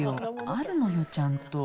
あるのよ、ちゃんと。